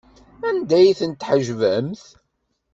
Anda ay tent-tḥejbemt?